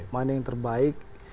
mana yang terbaik